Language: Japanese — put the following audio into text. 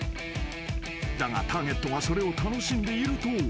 ［だがターゲットがそれを楽しんでいると］